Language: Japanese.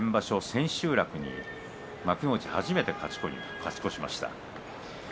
千秋楽に幕内で初めて勝ち越しました。